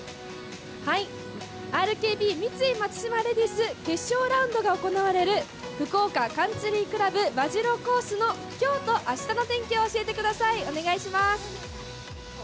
ＲＫＢ×三井松島レディス、決勝ラウンドが行われる、福岡カンツリー倶楽部和白コースのきょうとあしたの天気を教えてください、お願いします。